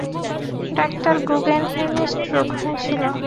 ডাঃ গুগেনহেইমের স্ট্রোক হয়েছিল।